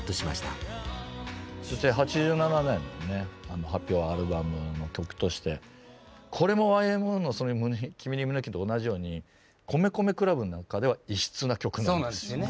８７年に発表アルバムの曲としてこれもＹＭＯの「君に、胸キュン。」と同じように米米ＣＬＵＢの中では異質な曲なんですよね。